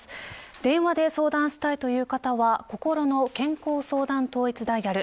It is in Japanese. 電話で相談したいという方はこころの健康相談統一ダイヤル